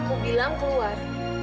aku bilang keluar